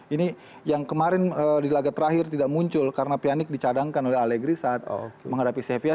ini yang kemarin di laga terakhir tidak muncul karena pianic dicadangkan oleh allegri saat menghadapi sevia